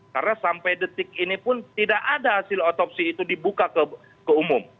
karena sampai detik ini pun tidak ada hasil otopsi itu dibuka ke umum